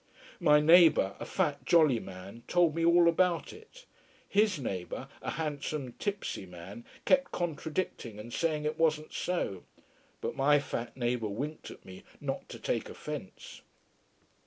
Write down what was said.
My neighbour, a fat, jolly man, told me all about it. His neighbour, a handsome tipsy man, kept contradicting and saying it wasn't so. But my fat neighbour winked at me, not to take offence.